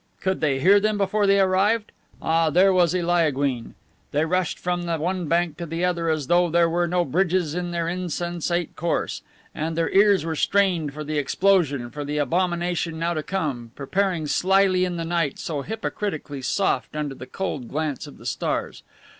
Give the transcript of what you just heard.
Could they hear them before they arrived? Ah, there was Eliaguine! They rushed from the one bank to the other as though there were no bridges in their insensate course. And their ears were strained for the explosion, for the abomination now to come, preparing slyly in the night so hypocritically soft under the cold glance of the stars.